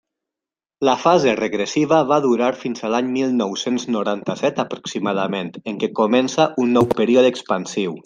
La fase regressiva va durar fins a l'any mil nou-cents noranta-set aproximadament, en què comença un nou període expansiu.